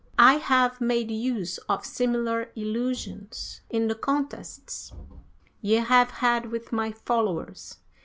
I have made use of similar illusions in the contests ye have had with my followers.